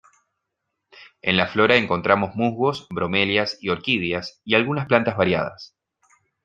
En la flora encontramos musgos, bromelias y orquídeas y algunas plantas variadas.